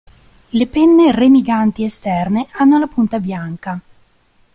Le penne remiganti esterne hanno la punta bianca.